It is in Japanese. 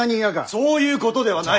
そういうことではない！